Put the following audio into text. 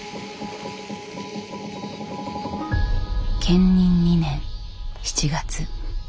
建仁２年７月。